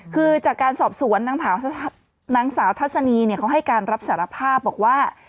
คือจากการสอบสวนนางสาวทัศนีเขาให้การรับสารภาพบอกว่า